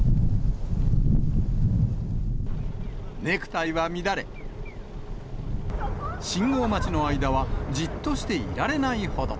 ネクタイは乱れ、信号待ちの間はじっとしていられないほど。